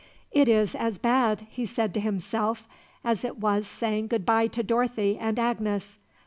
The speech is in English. "It is as bad," he said to himself, "as it was saying goodbye to Dorothy and Agnes.